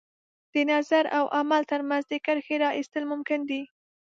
د نظر او عمل تر منځ د کرښې را ایستل ممکن دي.